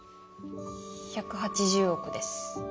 １８０億です。